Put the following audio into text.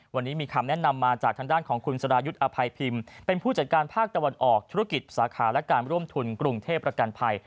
วันนี้มีคำแนะนำมาจากทางด้านของคุณสรายุทธ์อภัยพิมพ์เป็นผู้จัดการภาคตะวันออกธุรกิจสาขาและการร่วมทุนกรุงเทพประกันภัย